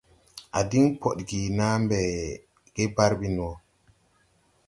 A din podge na mbɛ ge barbin wo?